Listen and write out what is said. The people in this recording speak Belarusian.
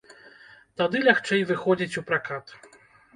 Тады лягчэй выходзіць у пракат.